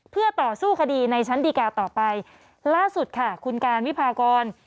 เพื่อต่อสู้คดีในชั้นดีกาต่อไปล่าสุดค่ะคุณการวิพากร